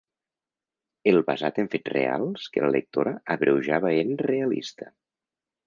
El “basat en fets reals” que la lectora abreujava en “realista”.